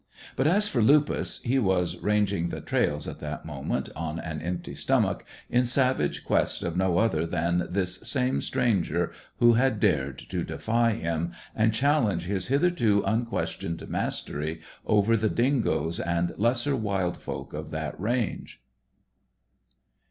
But as for Lupus, he was ranging the trails at that moment on an empty stomach in savage quest of no other than this same stranger who had dared to defy him, and challenge his hitherto unquestioned mastery over the dingoes and lesser wild folk of that range.